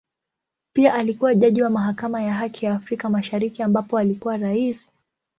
Pia alikua jaji wa Mahakama ya Haki ya Afrika Mashariki ambapo alikuwa Rais.